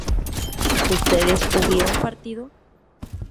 ¿ustedes hubieron partido?